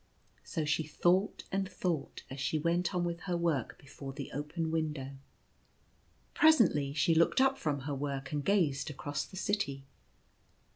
So she thought and thought, as she went on with her work before the open window. Presently she looked up from her work and gazed across the city.